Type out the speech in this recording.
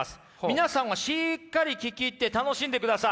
皆さんはしっかり聴き入って楽しんでください。